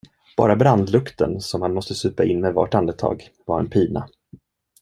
Bara brandlukten, som han måste supa in med vart andetag, var en pina.